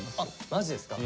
マジですか。